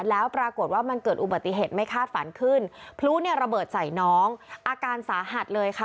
แล้วปรากฏว่ามันเกิดอุบัติเหตุไม่คาดฝันขึ้นพลุเนี่ยระเบิดใส่น้องอาการสาหัสเลยค่ะ